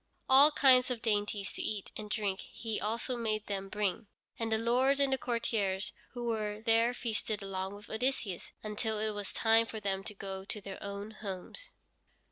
All kinds of dainties to eat and drink he also made them bring, and the lords and the courtiers who were there feasted along with Odysseus, until it was time for them to go to their own homes.